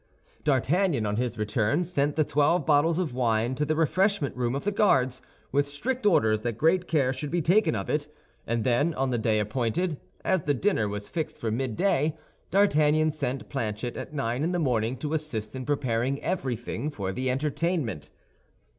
D'Artagnan, on his return, sent the twelve bottles of wine to the refreshment room of the Guards, with strict orders that great care should be taken of it; and then, on the day appointed, as the dinner was fixed for midday D'Artagnan sent Planchet at nine in the morning to assist in preparing everything for the entertainment.